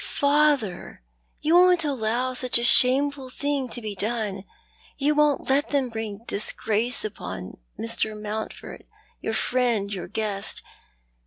" Father, you won t allow such a shameful thing to be done ? You won't let them bring disgrace upon Mr. Mountford — your friend — your guest?